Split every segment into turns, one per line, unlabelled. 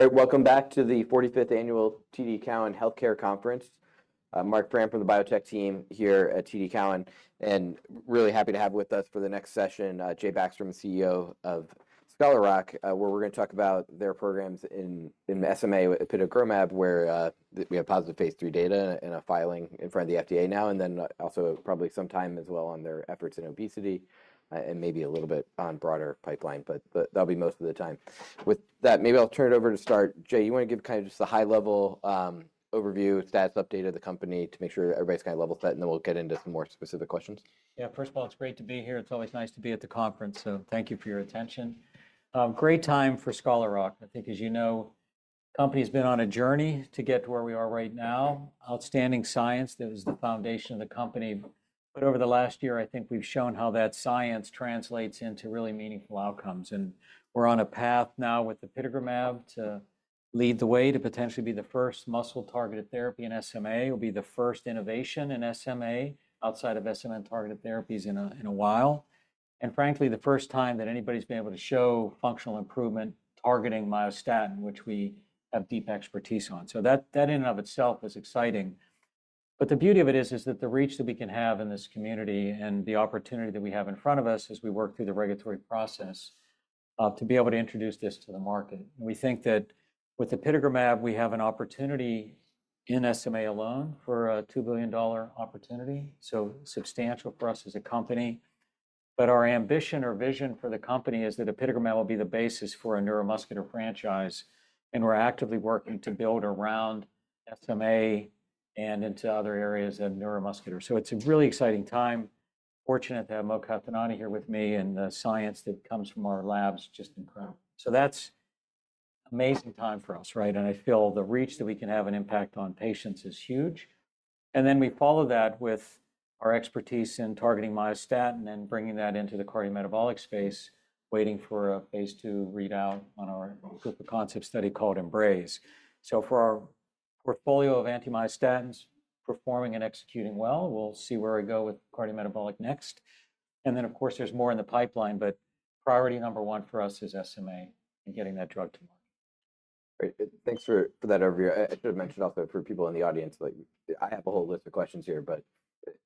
Welcome back to the 45th Annual TD Cowen Healthcare Conference. Marc Frahm from the Biotech team here at TD Cowen, and really happy to have with us for the next session, Jay Backstrom, CEO of Scholar Rock, where we're going to talk about their programs in SMA with apitegromab, where we have positive Phase 3 data and a filing in front of the FDA now, and then also probably sometime as well on their efforts in obesity and maybe a little bit on broader pipeline, but that'll be most of the time. With that, maybe I'll turn it over to start. Jay, you want to give kind of just a high-level overview, status update of the company to make sure everybody's kind of level set, and then we'll get into some more specific questions?
Yeah, first of all, it's great to be here. It's always nice to be at the conference, so thank you for your attention. Great time for Scholar Rock. I think, as you know, the company's been on a journey to get to where we are right now. Outstanding science, that was the foundation of the company. But over the last year, I think we've shown how that science translates into really meaningful outcomes. And we're on a path now with apitegromab to lead the way to potentially be the first muscle-targeted therapy in SMA. It'll be the first innovation in SMA outside of SMN-targeted therapies in a while. And frankly, the first time that anybody's been able to show functional improvement targeting myostatin, which we have deep expertise on. So that in and of itself is exciting. The beauty of it is that the reach that we can have in this community and the opportunity that we have in front of us as we work through the regulatory process to be able to introduce this to the market. We think that with apitegromab, we have an opportunity in SMA alone for a $2 billion opportunity, so substantial for us as a company. Our ambition or vision for the company is that apitegromab will be the basis for a neuromuscular franchise, and we're actively working to build around SMA and into other areas of neuromuscular. It's a really exciting time. Fortunate to have Mo Qatanani here with me and the science that comes from our labs just incredible. That's an amazing time for us, right? I feel the reach that we can have an impact on patients is huge. And then we follow that with our expertise in targeting myostatin and bringing that into the cardiometabolic space, waiting for a Phase II readout on our proof-of-concept study called EMBRACE. So for our portfolio of anti-myostatins performing and executing well, we will see where we go with cardiometabolic next. And then, of course, there is more in the pipeline, but priority number one for us is SMA and getting that drug to market.
Great. Thanks for that overview. I should have mentioned also for people in the audience, I have a whole list of questions here, but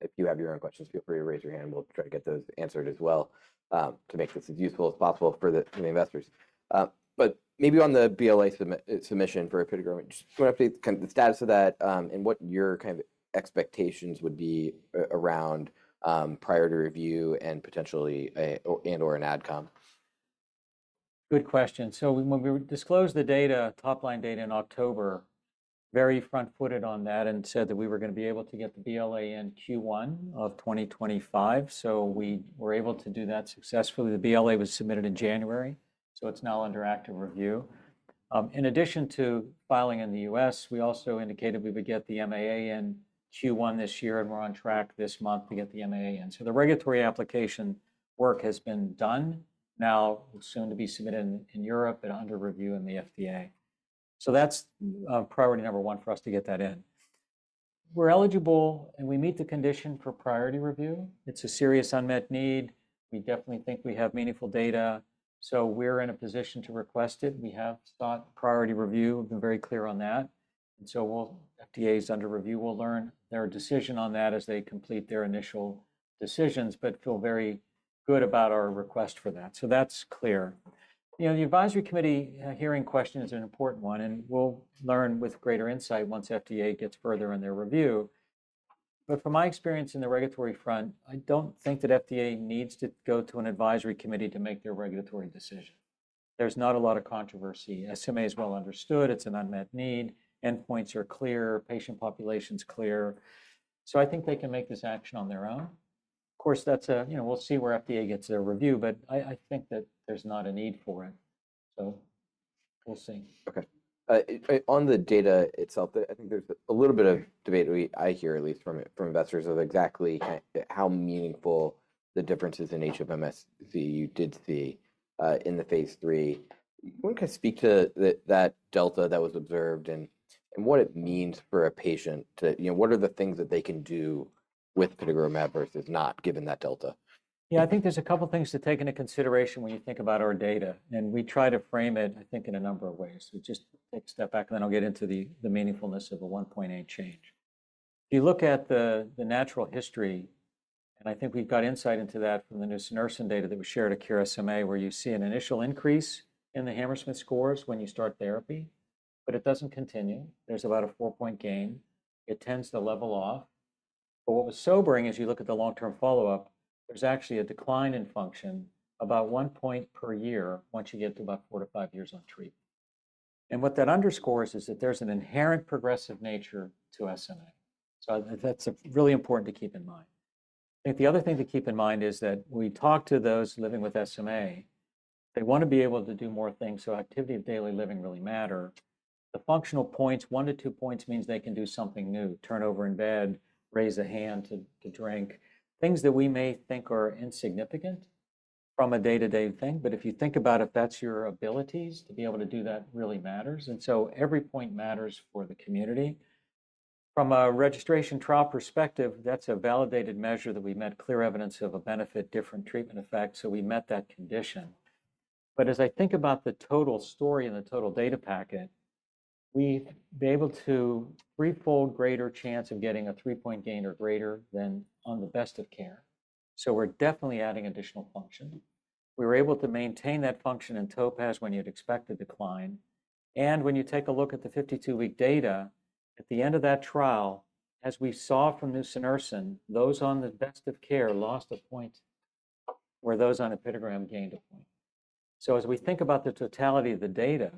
if you have your own questions, feel free to raise your hand. We'll try to get those answered as well to make this as useful as possible for the investors. But maybe on the BLA submission for apitegromab, just want to update kind of the status of that and what your kind of expectations would be around prior to review and potentially and/or an AdCom.
Good question. So when we disclosed the data, top-line data in October, very front-footed on that and said that we were going to be able to get the BLA in Q1 of 2025. So we were able to do that successfully. The BLA was submitted in January, so it's now under active review. In addition to filing in the U.S., we also indicated we would get the MAA in Q1 this year, and we're on track this month to get the MAA in. So the regulatory application work has been done. Now, it's soon to be submitted in Europe and under review in the FDA. So that's priority number one for us to get that in. We're eligible and we meet the condition for priority review. It's a serious unmet need. We definitely think we have meaningful data. So we're in a position to request it. We have sought priority review. We've been very clear on that. And so FDA's under review. We'll learn their decision on that as they complete their initial decisions, but feel very good about our request for that. So that's clear. You know, the advisory committee hearing question is an important one, and we'll learn with greater insight once FDA gets further in their review. But from my experience in the regulatory front, I don't think that FDA needs to go to an advisory committee to make their regulatory decision. There's not a lot of controversy. SMA is well understood. It's an unmet need. Endpoints are clear. Patient population's clear. So I think they can make this action on their own. Of course, that's a, you know, we'll see where FDA gets their review, but I think that there's not a need for it. So we'll see.
Okay. On the data itself, I think there's a little bit of debate, I hear at least from investors, of exactly how meaningful the differences in HFMSE you did see in the Phase III. You want to kind of speak to that delta that was observed and what it means for a patient to, you know, what are the things that they can do with apitegromab versus not given that delta?
Yeah, I think there's a couple of things to take into consideration when you think about our data. And we try to frame it, I think, in a number of ways. So just take a step back and then I'll get into the meaningfulness of a 1.8 change. If you look at the natural history, and I think we've got insight into that from the nusinersen data that was shared at Cure SMA, where you see an initial increase in the Hammersmith scores when you start therapy, but it doesn't continue. There's about a four-point gain. It tends to level off. But what was sobering is you look at the long-term follow-up, there's actually a decline in function about one point per year once you get to about four to five years on treatment. And what that underscores is that there's an inherent progressive nature to SMA. That's really important to keep in mind. I think the other thing to keep in mind is that when we talk to those living with SMA, they want to be able to do more things. Activity of daily living really matters. The functional points, one to two points means they can do something new, turn over in bed, raise a hand to drink, things that we may think are insignificant from a day-to-day thing. But if you think about it, that's your abilities to be able to do that really matters. And so every point matters for the community. From a registration trial perspective, that's a validated measure that we met clear evidence of a benefit, different treatment effect. We met that condition. But as I think about the total story and the total data packet, we've been able to threefold greater chance of getting a three-point gain or greater than on the best of care. So we're definitely adding additional function. We were able to maintain that function in TOPAZ when you'd expect the decline. And when you take a look at the 52-week data, at the end of that trial, as we saw from nusinersen, those on the best of care lost a point where those on apitegromab gained a point. So as we think about the totality of the data,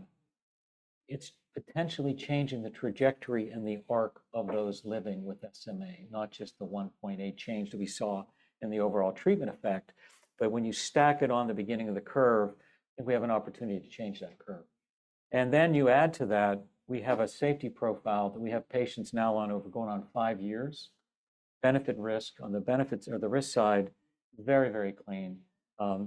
it's potentially changing the trajectory and the arc of those living with SMA, not just the 1.8 change that we saw in the overall treatment effect. But when you stack it on the beginning of the curve, I think we have an opportunity to change that curve. And then you add to that, we have a safety profile that we have patients now on over going on five years. Benefit-risk on the benefits or the risk side is very, very clean.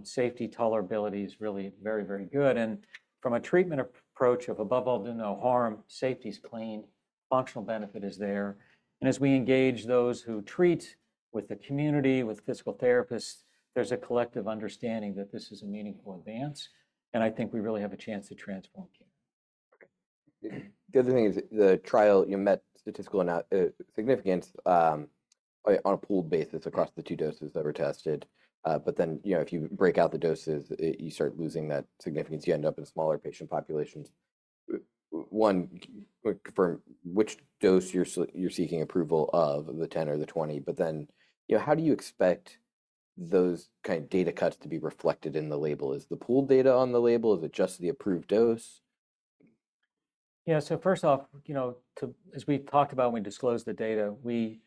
Safety tolerability is really very, very good. And from a treatment approach of above all, there's no harm, safety's clean, functional benefit is there. And as we engage those who treat with the community, with physical therapists, there's a collective understanding that this is a meaningful advance. And I think we really have a chance to transform care.
The other thing is the trial, you met statistical significance on a pooled basis across the two doses that were tested. But then, you know, if you break out the doses, you start losing that significance. You end up in smaller patient populations. One, confirm which dose you're seeking approval of, the 10 or the 20, but then, you know, how do you expect those kind of data cuts to be reflected in the label? Is the pooled data on the label? Is it just the approved dose?
Yeah, so first off, you know, as we talked about when we disclosed the data, we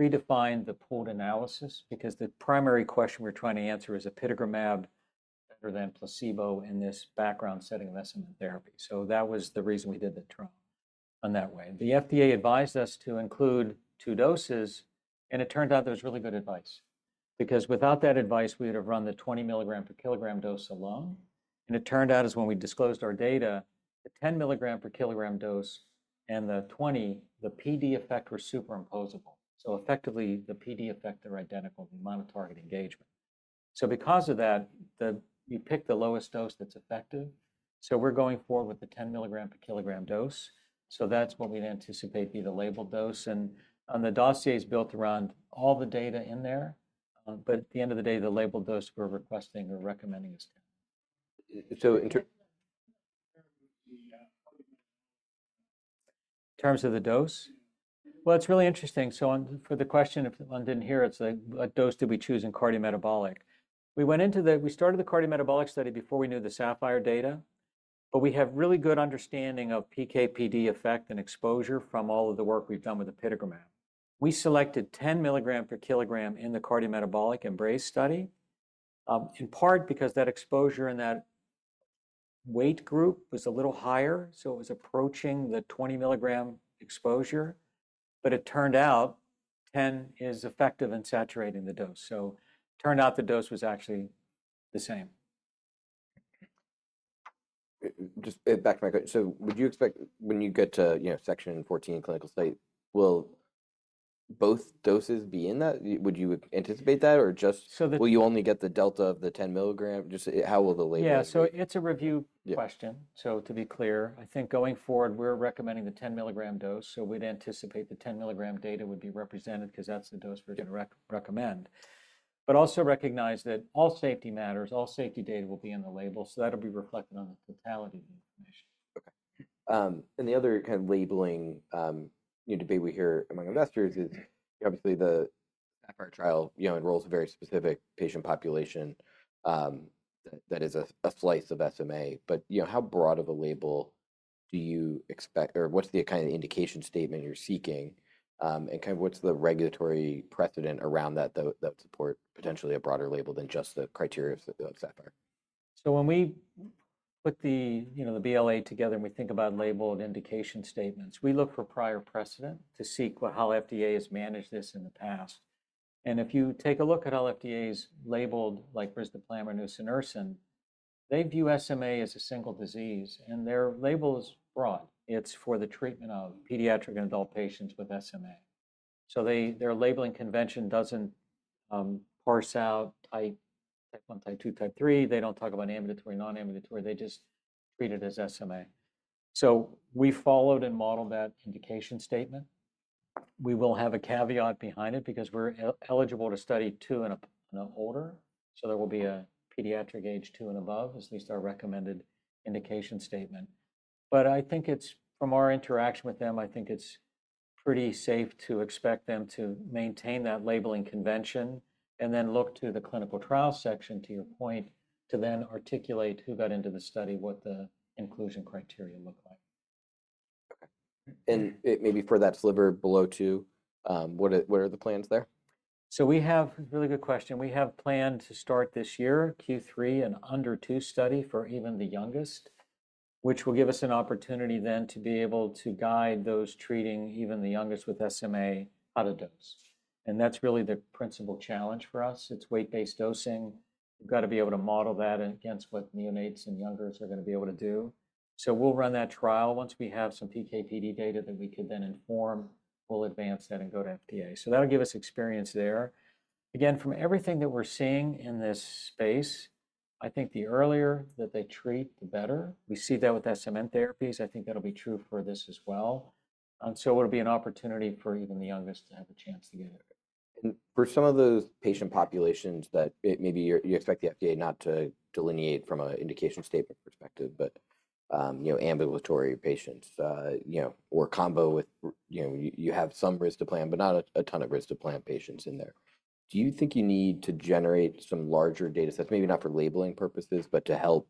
predefined the pooled analysis because the primary question we're trying to answer is apitegromab better than placebo in this background setting of SMN therapy. So that was the reason we did the trial in that way. The FDA advised us to include two doses, and it turned out there was really good advice because without that advice, we would have run the 20 mg per kilogram dose alone. And it turned out as when we disclosed our data, the 10 mg per kilogram dose and the 20, the PD effect were superimposable. So effectively, the PD effect are identical, the amount of target engagement. So because of that, we pick the lowest dose that's effective. So we're going forward with the 10 mg per kilogram dose. So that's what we'd anticipate be the labeled dose. And the dossier is built around all the data in there. But at the end of the day, the labeled dose we're requesting or recommending is 10.
So in terms of the dose?
It's really interesting. For the question if one didn't hear, it's what dose do we choose in cardiometabolic. We started the cardiometabolic study before we knew the SAPPHIRE data, but we have really good understanding of PK/PD effect and exposure from all of the work we've done with apitegromab. We selected 10 mg per kilogram in the cardiometabolic EMBRACE study, in part because that exposure in that weight group was a little higher. It was approaching the 20 mg exposure, but it turned out 10 is effective in saturating the dose. It turned out the dose was actually the same.
Just back to my question. So would you expect when you get to, you know, section 14 clinical study, will both doses be in that? Would you anticipate that or just will you only get the delta of the 10 mg? Just how will the label be?
Yeah, so it's a review question. So to be clear, I think going forward, we're recommending the 10 mg dose. So we'd anticipate the 10 mg data would be represented because that's the dose we're going to recommend. But also recognize that all safety matters, all safety data will be in the label. So that'll be reflected on the totality of the information.
Okay. And the other kind of labeling need to be we hear among investors is obviously the SAPPHIRE trial, you know, enrolls a very specific patient population that is a slice of SMA. But, you know, how broad of a label do you expect or what's the kind of indication statement you're seeking? And kind of what's the regulatory precedent around that that would support potentially a broader label than just the criteria of SAPPHIRE?
So when we put the, you know, the BLA together and we think about labeled indication statements, we look for prior precedent to see how FDA has managed this in the past. And if you take a look at all FDA's labeled like risdiplam or nusinersen, they view SMA as a single disease and their label is broad. It's for the treatment of pediatric and adult patients with SMA. So their labeling convention doesn't parse out type 1, type 2, type 3. They don't talk about ambulatory, non-ambulatory. They just treat it as SMA. So we followed and modeled that indication statement. We will have a caveat behind it because we're eligible to study two and older. So there will be a pediatric age two and above, at least our recommended indication statement. But I think it's from our interaction with them. I think it's pretty safe to expect them to maintain that labeling convention and then look to the clinical trial section, to your point, to then articulate who got into the study, what the inclusion criteria look like.
Okay. And maybe for that sliver below two, what are the plans there?
So, we have a really good question. We have planned to start this year, Q3, an under-two study for even the youngest, which will give us an opportunity then to be able to guide those treating even the youngest with SMA on dose. And that's really the principal challenge for us. It's weight-based dosing. We've got to be able to model that against what neonates and youngers are going to be able to do. So we'll run that trial. Once we have some PK/PD data that we could then inform, we'll advance that and go to FDA. So that'll give us experience there. Again, from everything that we're seeing in this space, I think the earlier that they treat, the better. We see that with SMN therapies. I think that'll be true for this as well. And so it'll be an opportunity for even the youngest to have a chance to get it.
For some of those patient populations that maybe you expect the FDA not to delineate from an indication statement perspective, but, you know, ambulatory patients, you know, or combo with, you know, you have some risdiplam, but not a ton of risdiplam patients in there. Do you think you need to generate some larger data sets, maybe not for labeling purposes, but to help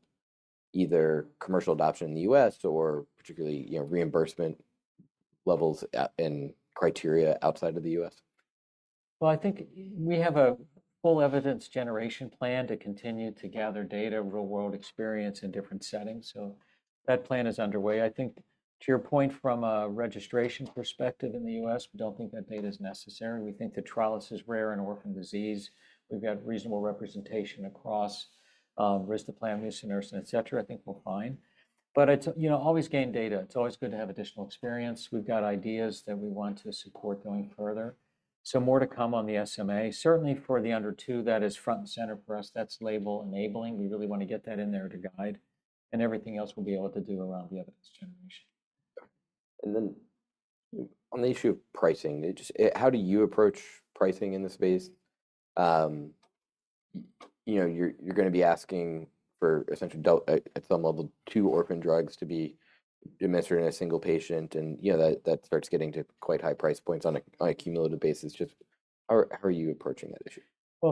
either commercial adoption in the U.S. or particularly, you know, reimbursement levels and criteria outside of the U.S.?
I think we have a full evidence generation plan to continue to gather data, real-world experience in different settings. So that plan is underway. I think to your point from a registration perspective in the US, we don't think that data is necessary. We think the trial is rare in orphan disease. We've got reasonable representation across risdiplam, nusinersen, et cetera. I think we're fine. But it's, you know, always gain data. It's always good to have additional experience. We've got ideas that we want to support going further. So more to come on the SMA. Certainly for the under two, that is front and center for us. That's label enabling. We really want to get that in there to guide. And everything else we'll be able to do around the evidence generation.
And then on the issue of pricing, just how do you approach pricing in this space? You know, you're going to be asking for essentially at some level two orphan drugs to be administered in a single patient. And, you know, that starts getting to quite high price points on a cumulative basis. Just how are you approaching that issue?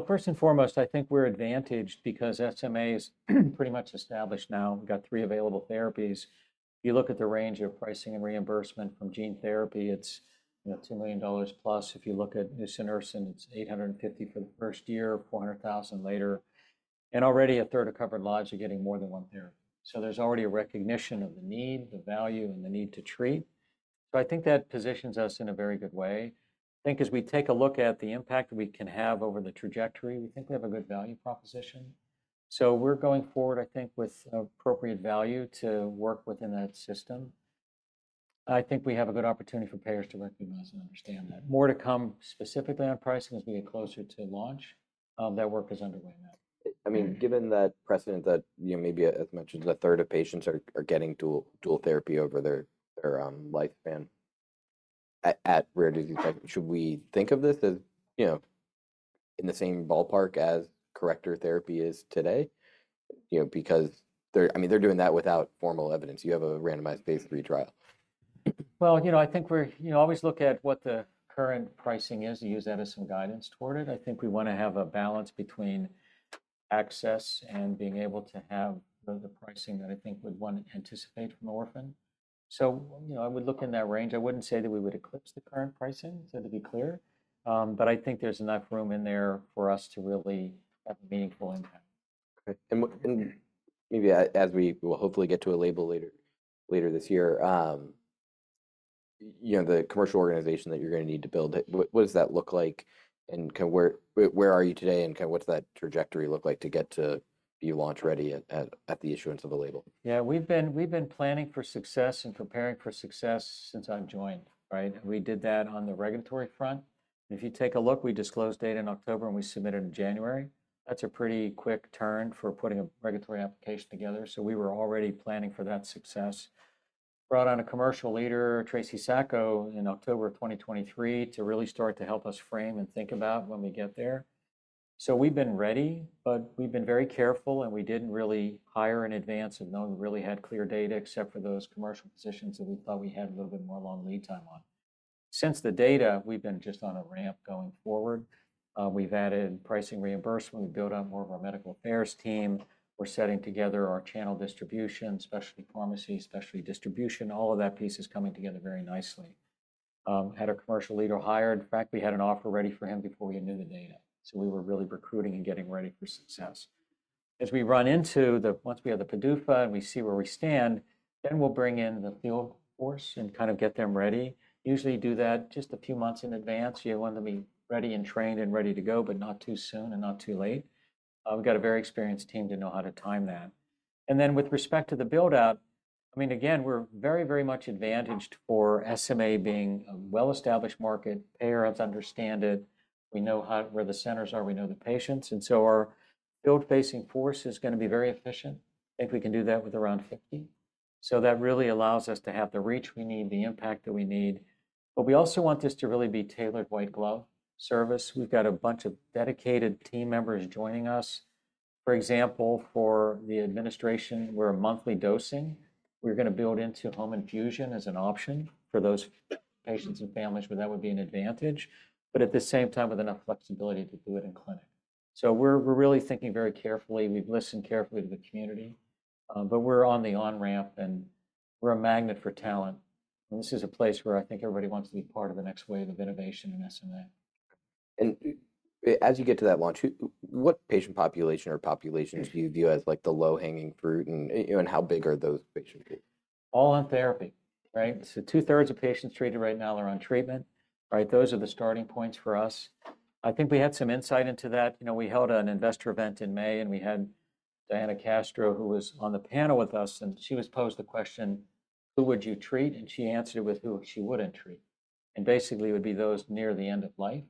First and foremost, I think we're advantaged because SMA is pretty much established now. We've got three available therapies. You look at the range of pricing and reimbursement from gene therapy, it's, you know, $2 million plus. If you look at nusinersen, it's $850 for the first year, $400,000 later. And already a third of covered lives are getting more than one therapy. So there's already a recognition of the need, the value, and the need to treat. So I think that positions us in a very good way. I think as we take a look at the impact we can have over the trajectory, we think we have a good value proposition. So we're going forward, I think, with appropriate value to work within that system. I think we have a good opportunity for payers to recognize and understand that. More to come specifically on pricing as we get closer to launch. That work is underway now.
I mean, given that precedent that, you know, maybe as mentioned, a third of patients are getting dual therapy over their lifespan at rare disease type, should we think of this as, you know, in the same ballpark as corrector therapy is today, you know, because they're, I mean, they're doing that without formal evidence. You have a randomized Phase III trial.
You know, I think we're, you know, always look at what the current pricing is and use that as some guidance toward it. I think we want to have a balance between access and being able to have the pricing that I think we'd want to anticipate from orphan. So, you know, I would look in that range. I wouldn't say that we would eclipse the current pricing, so to be clear. But I think there's enough room in there for us to really have a meaningful impact.
Okay. And maybe as we will hopefully get to a label later this year, you know, the commercial organization that you're going to need to build, what does that look like? And kind of where are you today and kind of what's that trajectory look like to get to be launch ready at the issuance of a label?
Yeah, we've been planning for success and preparing for success since I've joined, right? We did that on the regulatory front. If you take a look, we disclosed data in October and we submitted in January. That's a pretty quick turn for putting a regulatory application together, so we were already planning for that success. Brought on a commercial leader, Tracey Sacco, in October of 2023 to really start to help us frame and think about when we get there. We've been ready, but we've been very careful and we didn't really hire in advance and none really had clear data except for those commercial positions that we thought we had a little bit more long lead time on. Since the data, we've been just on a ramp going forward. We've added pricing reimbursement. We've built up more of our medical affairs team. We're setting together our channel distribution, specialty pharmacy, specialty distribution. All of that piece is coming together very nicely. Had a commercial leader hired. In fact, we had an offer ready for him before we knew the data. So we were really recruiting and getting ready for success. Once we have the PDUFA and we see where we stand, then we'll bring in the field force and kind of get them ready. Usually do that just a few months in advance. You want them to be ready and trained and ready to go, but not too soon and not too late. We've got a very experienced team to know how to time that. And then with respect to the buildout, I mean, again, we're very, very much advantaged for SMA being a well-established market. Payers understand it. We know where the centers are. We know the patients. And so our field-facing force is going to be very efficient. I think we can do that with around 50. So that really allows us to have the reach we need, the impact that we need. But we also want this to really be tailored white glove service. We've got a bunch of dedicated team members joining us. For example, for the administration, we're monthly dosing. We're going to build into home infusion as an option for those patients and families, but that would be an advantage. But at the same time, with enough flexibility to do it in clinic. So we're really thinking very carefully. We've listened carefully to the community, but we're on the on-ramp and we're a magnet for talent. And this is a place where I think everybody wants to be part of the next wave of innovation in SMA.
As you get to that launch, what patient population or populations do you view as like the low-hanging fruit and how big are those patients?
All on therapy, right? So two-thirds of patients treated right now are on treatment, right? Those are the starting points for us. I think we had some insight into that. You know, we held an investor event in May and we had Diana Castro, who was on the panel with us, and she was posed the question, "Who would you treat?" And she answered it with who she wouldn't treat. And basically it would be those near the end of life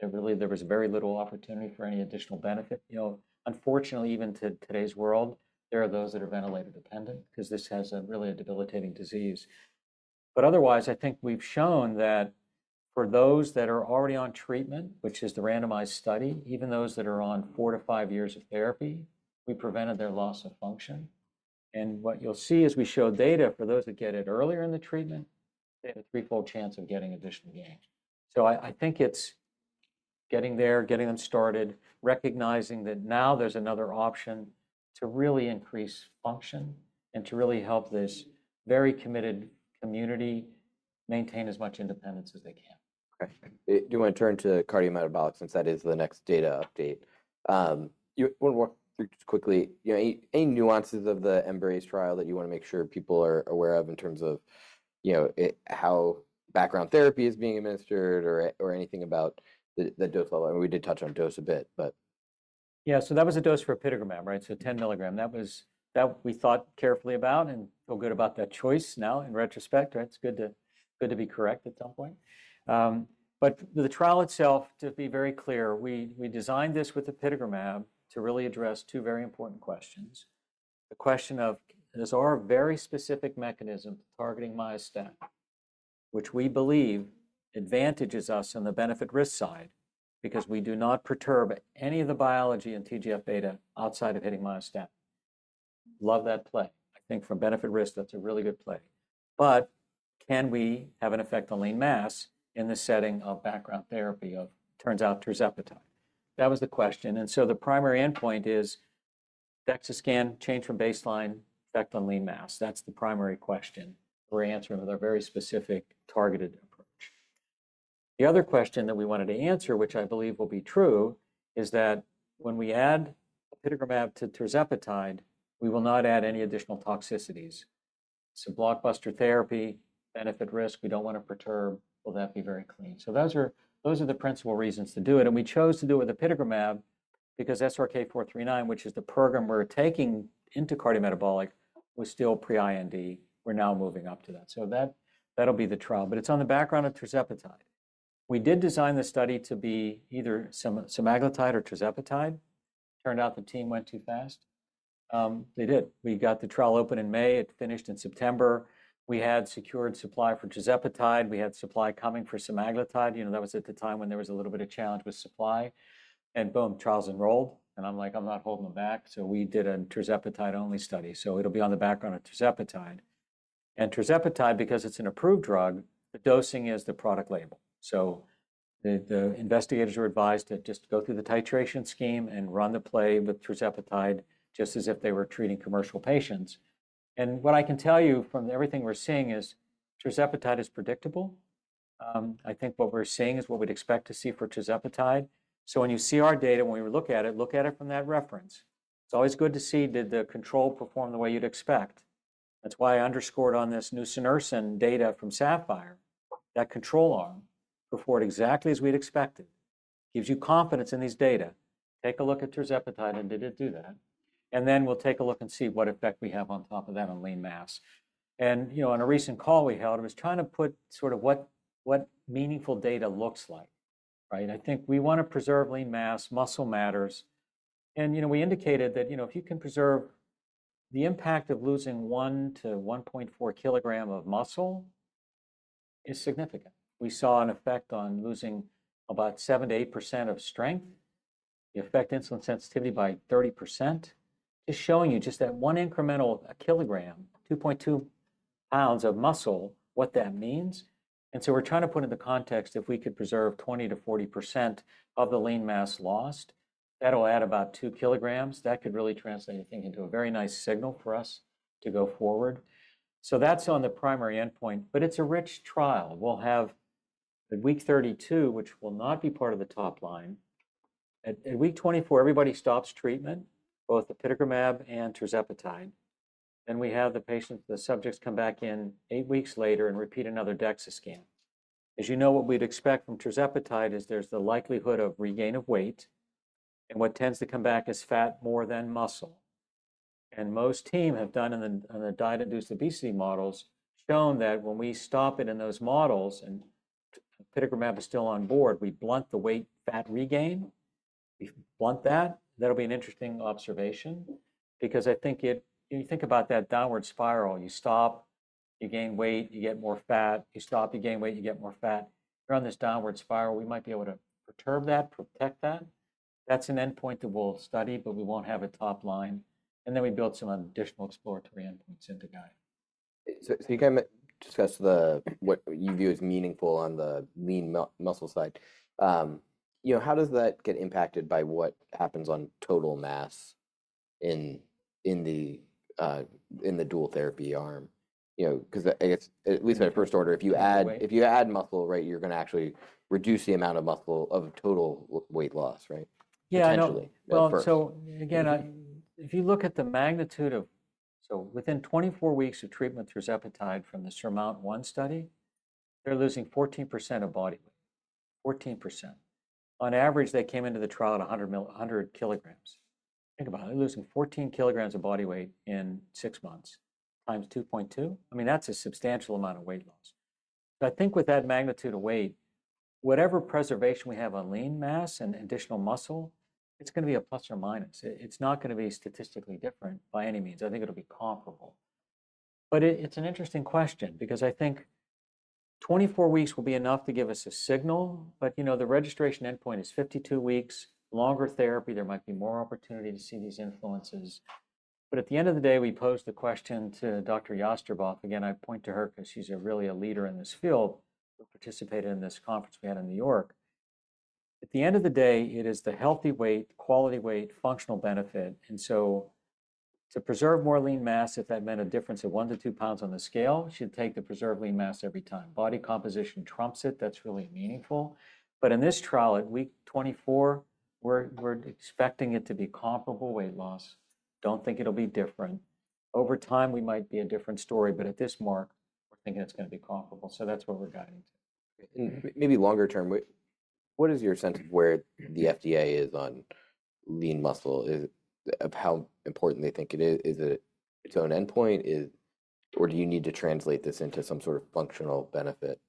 that really there was very little opportunity for any additional benefit. You know, unfortunately, even to today's world, there are those that are ventilator dependent because this has really a debilitating disease. But otherwise, I think we've shown that for those that are already on treatment, which is the randomized study, even those that are on four to five years of therapy, we prevented their loss of function. And what you'll see as we show data for those that get it earlier in the treatment, they have a threefold chance of getting additional gains. So I think it's getting there, getting them started, recognizing that now there's another option to really increase function and to really help this very committed community maintain as much independence as they can.
Okay. Do you want to turn to cardiometabolic since that is the next data update? One more quickly, you know, any nuances of the EMBRACE trial that you want to make sure people are aware of in terms of, you know, how background therapy is being administered or anything about the dose level? I mean, we did touch on dose a bit, but.
Yeah, so that was a dose for apitegromab, right? So 10 mg. That was that we thought carefully about and feel good about that choice now in retrospect, right? It's good to be correct at some point. But the trial itself, to be very clear, we designed this with the apitegromab to really address two very important questions. The question of, is our very specific mechanism targeting myostatin, which we believe advantages us on the benefit-risk side because we do not perturb any of the biology and TGF-beta outside of hitting myostatin. Love that play. I think from benefit-risk, that's a really good play. But can we have an effect on lean mass in the setting of background therapy of, turns out, tirzepatide? That was the question. And so the primary endpoint is DEXA scan change from baseline effect on lean mass. That's the primary question we're answering with our very specific targeted approach. The other question that we wanted to answer, which I believe will be true, is that when we add apitegromab to tirzepatide, we will not add any additional toxicities. So blockbuster therapy, benefit-risk, we don't want to perturb. We want that to be very clean. So those are the principal reasons to do it. We chose to do it with the apitegromab because SRK-439, which is the program we're taking into cardiometabolic, was still pre-IND. We're now moving up to that. That'll be the trial. But it's on the background of tirzepatide. We did design the study to be either semaglutide or tirzepatide. Turned out the team went too fast. They did. We got the trial open in May. It finished in September. We had secured supply for tirzepatide. We had supply coming for semaglutide. You know, that was at the time when there was a little bit of challenge with supply, and boom, trials enrolled, and I'm like, I'm not holding them back, so we did a tirzepatide-only study, so it'll be on the background of tirzepatide, and tirzepatide, because it's an approved drug, the dosing is the product label, so the investigators were advised to just go through the titration scheme and run the play with tirzepatide just as if they were treating commercial patients, and what I can tell you from everything we're seeing is tirzepatide is predictable. I think what we're seeing is what we'd expect to see for tirzepatide, so when you see our data, when we look at it, look at it from that reference. It's always good to see. Did the control perform the way you'd expect? That's why I underscored on this nusinersen data from SAPPHIRE. That control arm performed exactly as we'd expected. Gives you confidence in these data. Take a look at tirzepatide and did it do that? And then we'll take a look and see what effect we have on top of that on lean mass. And, you know, on a recent call we held, I was trying to put sort of what meaningful data looks like, right? I think we want to preserve lean mass, muscle matters. And, you know, we indicated that, you know, if you can preserve the impact of losing one to 1.4 kg of muscle is significant. We saw an effect on losing about 7%-8% of strength. The effect insulin sensitivity by 30% is showing you just that one incremental kilogram, 2.2 lbs of muscle, what that means. And so we're trying to put in the context if we could preserve 20%-40% of the lean mass lost, that'll add about 2 kg. That could really translate anything into a very nice signal for us to go forward. So that's on the primary endpoint, but it's a rich trial. We'll have week 32, which will not be part of the top line. At week 24, everybody stops treatment, both the apitegromab and tirzepatide. Then we have the patients, the subjects come back in eight weeks later and repeat another DEXA scan. As you know, what we'd expect from tirzepatide is there's the likelihood of regain of weight and what tends to come back is fat more than muscle. Our team has done in the diet-induced obesity models shown that when we stop it in those models and apitegromab is still on board, we blunt the weight and fat regain. We blunt that. That'll be an interesting observation because I think it, you think about that downward spiral. You stop, you gain weight, you get more fat. You stop, you gain weight, you get more fat. You're on this downward spiral. We might be able to perturb that, protect that. That's an endpoint that we'll study, but we won't have a top line. And then we build some additional exploratory endpoints into the study.
So, you can discuss what you view as meaningful on the lean muscle side. You know, how does that get impacted by what happens on total mass in the dual therapy arm? You know, because I guess at least at first order, if you add, if you add muscle, right, you're going to actually reduce the amount of muscle of total weight loss, right?
Yeah, I know. Well, so again, if you look at the magnitude of, so within 24 weeks of treatment, tirzepatide from the SURMOUNT-1 study, they're losing 14% of body weight. 14%. On average, they came into the trial at 100 kgs. Think about it. They're losing 14 kgs of body weight in six months times 2.2. I mean, that's a substantial amount of weight loss. So I think with that magnitude of weight, whatever preservation we have on lean mass and additional muscle, it's going to be a plus or minus. It's not going to be statistically different by any means. I think it'll be comparable. But it's an interesting question because I think 24 weeks will be enough to give us a signal. But, you know, the registration endpoint is 52 weeks, longer therapy. There might be more opportunity to see these influences. But at the end of the day, we posed the question to Dr. Jastreboff. Again, I point to her because she's really a leader in this field who participated in this conference we had in New York. At the end of the day, it is the healthy weight, quality weight, functional benefit, and so to preserve more lean mass, if that meant a difference of one to two pounds on the scale, she'd take the preserved lean mass every time. Body composition trumps it. That's really meaningful. In this trial, at week 24, we're expecting it to be comparable weight loss. Don't think it'll be different. Over time, we might be a different story, but at this mark, we're thinking it's going to be comparable. That's what we're guiding to.
Maybe longer term, what is your sense of where the FDA is on lean muscle? Is it of how important they think it is? Is it its own endpoint? Or do you need to translate this into some sort of functional benefit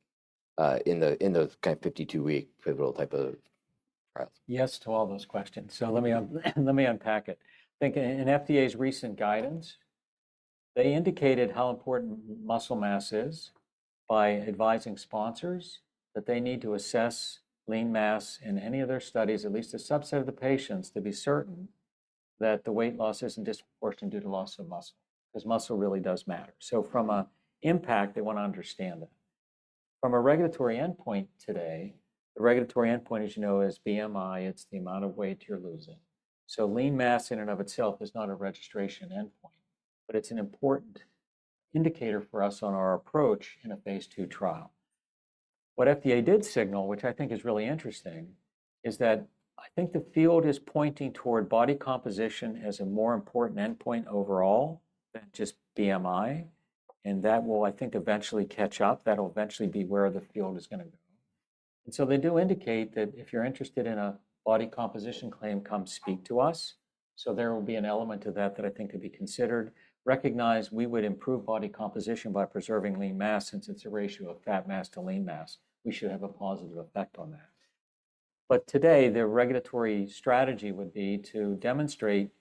in those kind of 52-week pivotal type of trials?
Yes to all those questions, so let me unpack it. I think in FDA's recent guidance, they indicated how important muscle mass is by advising sponsors that they need to assess lean mass in any of their studies, at least a subset of the patients, to be certain that the weight loss isn't disproportionate due to loss of muscle because muscle really does matter, so from an impact, they want to understand that. From a regulatory endpoint today, the regulatory endpoint, as you know, is BMI. It's the amount of weight you're losing, so lean mass in and of itself is not a registration endpoint, but it's an important indicator for us on our approach in a phase two trial. What FDA did signal, which I think is really interesting, is that I think the field is pointing toward body composition as a more important endpoint overall than just BMI. And that will, I think, eventually catch up. That'll eventually be where the field is going to go. And so they do indicate that if you're interested in a body composition claim, come speak to us. So there will be an element to that that I think to be considered. Recognize we would improve body composition by preserving lean mass since it's a ratio of fat mass to lean mass. We should have a positive effect on that. But today, the regulatory strategy would be to demonstrate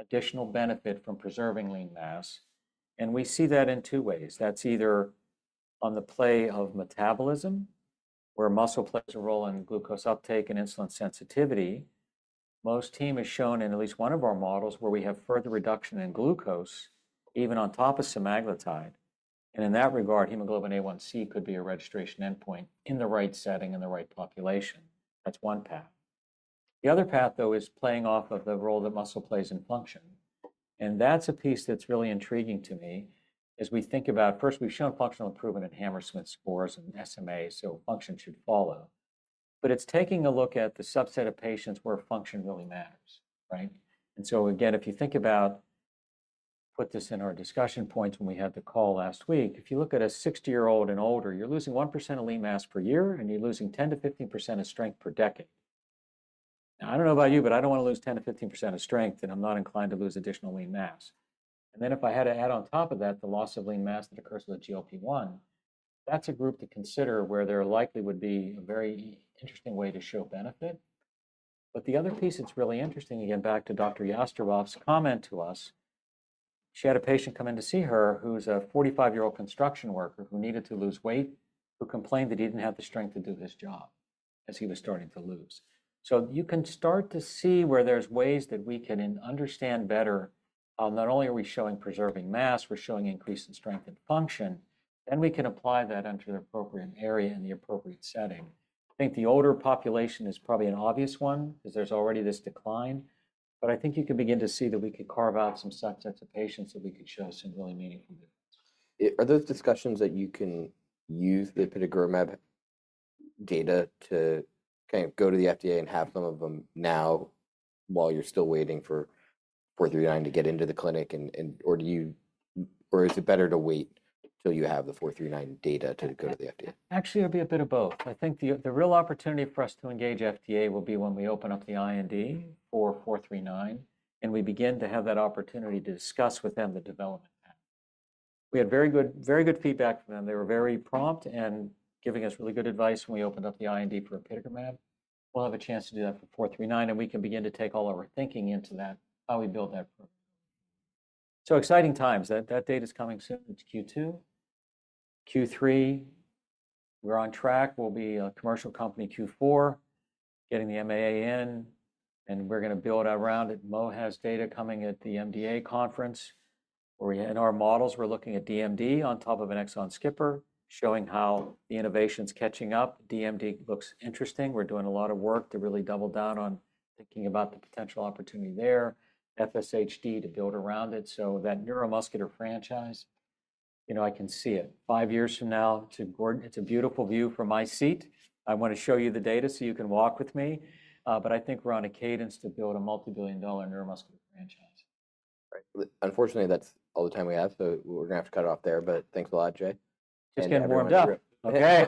additional benefit from preserving lean mass. And we see that in two ways. That's either on the play of metabolism, where muscle plays a role in glucose uptake and insulin sensitivity. Myostatin has shown in at least one of our models where we have further reduction in glucose, even on top of semaglutide. In that regard, Hemoglobin A1C could be a registration endpoint in the right setting in the right population. That's one path. The other path, though, is playing off of the role that muscle plays in function. And that's a piece that's really intriguing to me as we think about, first, we've shown functional improvement in Hammersmith scores and SMA, so function should follow. But it's taking a look at the subset of patients where function really matters, right? And so again, if you think about, put this in our discussion points when we had the call last week, if you look at a 60-year-old and older, you're losing 1% of lean mass per year and you're losing 10%-15% of strength per decade. Now, I don't know about you, but I don't want to lose 10%-15% of strength and I'm not inclined to lose additional lean mass. And then if I had to add on top of that, the loss of lean mass that occurs with GLP-1, that's a group to consider where there likely would be a very interesting way to show benefit. But the other piece that's really interesting, again, back to Dr. Jastreboff's comment to us, she had a patient come in to see her who's a 45-year-old construction worker who needed to lose weight, who complained that he didn't have the strength to do his job as he was starting to lose. So you can start to see where there's ways that we can understand better how not only are we showing preserving mass, we're showing increase in strength and function, then we can apply that under the appropriate area and the appropriate setting. I think the older population is probably an obvious one because there's already this decline, but I think you can begin to see that we could carve out some subsets of patients that we could show some really meaningful difference.
Are those discussions that you can use the apitegromab data to kind of go to the FDA and have some of them now while you're still waiting for 439 to get into the clinic? Or is it better to wait till you have the 439 data to go to the FDA?
Actually, it'd be a bit of both. I think the real opportunity for us to engage FDA will be when we open up the IND for 439 and we begin to have that opportunity to discuss with them the development path. We had very good feedback from them. They were very prompt and giving us really good advice when we opened up the IND for apitegromab. We'll have a chance to do that for 439 and we can begin to take all our thinking into that, how we build that program. So exciting times. That data's coming soon. It's Q2. Q3, we're on track. We'll be a commercial company Q4, getting the MAA in, and we're going to build around it. Mo has data coming at the MDA conference where we had our models. We're looking at DMD on top of an exon skipping, showing how the innovation's catching up. DMD looks interesting. We're doing a lot of work to really double down on thinking about the potential opportunity there. FSHD to build around it, so that neuromuscular franchise, you know, I can see it five years from now. It's a beautiful view from my seat. I want to show you the data so you can walk with me, but I think we're on a cadence to build a multi-billion dollar neuromuscular franchise.
Unfortunately, that's all the time we have. So we're going to have to cut it off there. But thanks a lot, Jay.
Just getting warmed up.
Okay.